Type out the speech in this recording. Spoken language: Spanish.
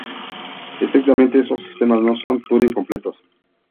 Estrictamente, esos sistemas no son Turing completos.